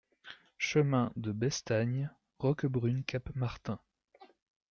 Chemin de Bestagne, Roquebrune-Cap-Martin